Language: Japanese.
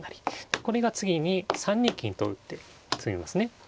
これが次に３二金と打って詰みますね。